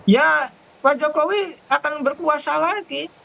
ya pak jokowi akan berkuasa lagi